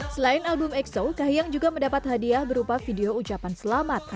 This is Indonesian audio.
selain album exo kahiyang juga mendapat hadiah berupa video ucapan selamat